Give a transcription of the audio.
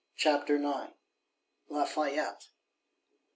Chapter 1.7.IX. Lafayette.